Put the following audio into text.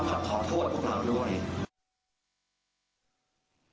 และพร้อมจะขอโทษพวกเราด้วย